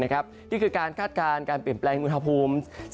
นี่คือการคาดการณ์การเปลี่ยนแปลงอุณหภูมิ